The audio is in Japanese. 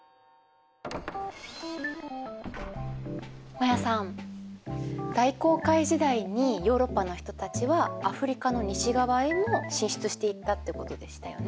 マヤさん大航海時代にヨーロッパの人たちはアフリカの西側へも進出していったってことでしたよね。